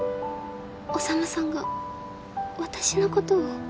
宰さんが私のことを？